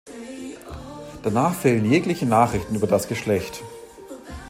Danach fehlen jegliche Nachrichten über das Geschlecht.